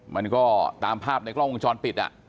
มันก็ตามภาพในกล้องวงจรปิด